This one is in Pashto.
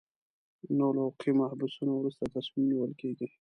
نو له حقوقي مبحثونو وروسته تصمیم نیول کېږي.